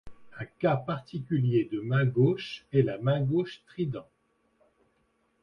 Un cas particulier de main-gauche est la main-gauche trident.